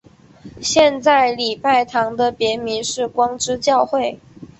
现在礼拜堂的别名是光之教会。